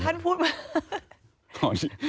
ท่านพูดมา